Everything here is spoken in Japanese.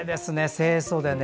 清そでね。